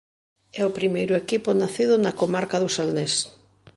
É o primeiro equipo nacido na comarca do Salnés.